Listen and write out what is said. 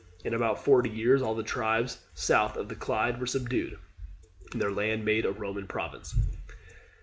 In about forty years all the tribes south of the Clyde were subdued, and their land made a Roman province.